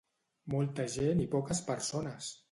Molta gent i poques persones!